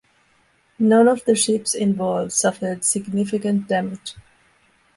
None of the ships involved suffered significant damage.